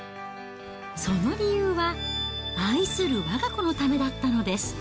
その理由は、愛するわが子のためだったのです。